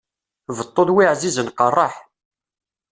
Beṭṭu d wi ɛzizen qeṛṛeḥ.